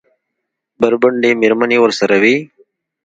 بربنډې مېرمنې ورسره وې؟